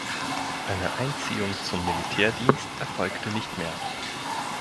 Eine Einziehung zum Militärdienst erfolgte nicht mehr.